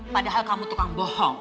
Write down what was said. padahal kamu tukang bohong